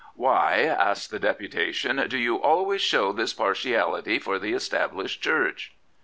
' Why,' asked the deputation, ' do you always show this partiality for the Established Church